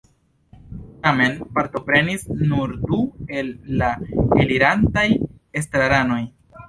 Tamen partoprenis nur du el la elirantaj estraranoj.